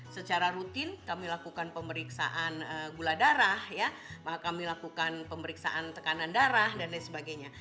secara rutin kami lakukan pemeriksaan gula darah ya maka kami lakukan pemeriksaan tekanan darah dan lain sebagainya